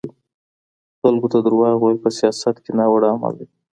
خلګو ته درواغ ويل په سياست کي ناوړه عمل دی.